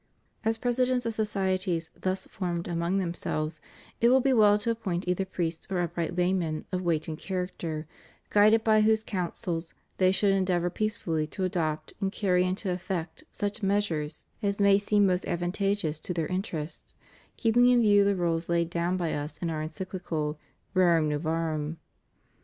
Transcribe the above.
As presidents of societies thus formed among themselves, it will be well to appoint either priests or upright laymen of weight and character, guided by whose counsels they should endeavor peacefully to adopt and carry into effect such measures as may seem most advantageous to their interests, keeping in view the rules laid down by Us in Our Encychcal, Rerum Novarum.